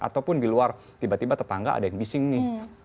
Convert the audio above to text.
ataupun di luar tiba tiba tetangga ada yang bising nih